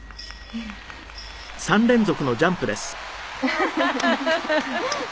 「」ハハハハ。